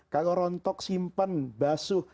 kalau rontok simpen basuh